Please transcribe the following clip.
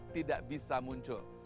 tidak bisa muncul